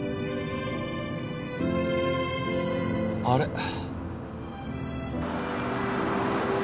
あれ？